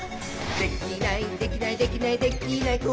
「できないできないできないできない子いないか」